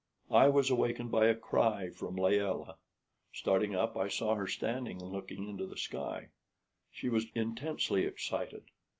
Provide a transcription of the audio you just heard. I was awakened by a cry from Layelah. Starting up, I saw her standing and looking into the sky. She was intensely excited.